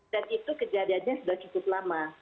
dan itu kejadiannya sudah cukup lama